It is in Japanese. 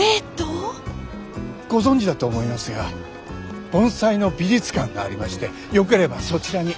ご存じだと思いますが盆栽の美術館がありましてよければそちらに。